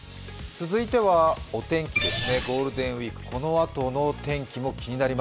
続いてはお天気です